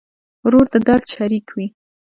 ورور د درد شریک وي.